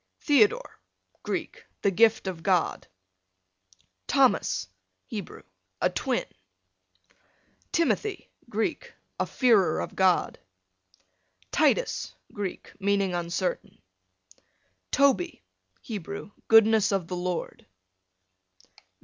Theodore, Greek, the gift of God. Thomas, Hebrew, a twin. Timothy, Greek, a fearer of God. Titus, Greek, meaning uncertain. Toby, Hebrew, goodness of the Lord.